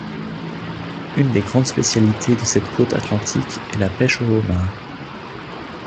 Une des grandes spécialités de cette côte atlantique est la pêche au homard.